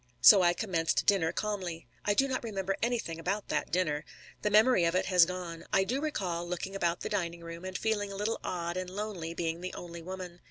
So I commenced dinner calmly. I do not remember anything about that dinner. The memory of it has gone. I do recall looking about the dining room, and feeling a little odd and lonely, being the only woman.